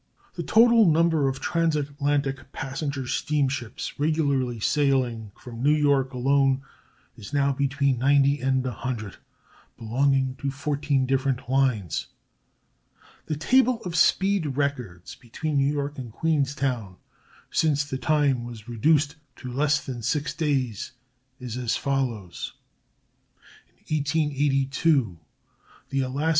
The total number of transatlantic passenger steamships regularly sailing from New York alone is now between 90 and 100, belonging to 14 different lines. The table of speed records between New York and Queenstown, since the time was reduced to less than six days, is as follows: Time. Year. Steamer. Line. Direction. Date. Days.